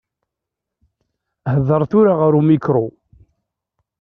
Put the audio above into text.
Hder tura ɣer umikru.